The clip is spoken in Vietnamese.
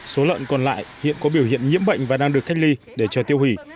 số lợn còn lại hiện có biểu hiện nhiễm bệnh và đang được cách ly để chờ tiêu hủy